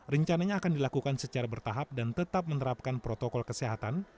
rencananya akan dilakukan secara bertahap dan tetap menerapkan protokol kesehatan